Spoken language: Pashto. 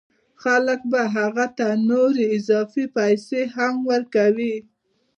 خلک به هغه ته نورې اضافه پیسې هم ورکوي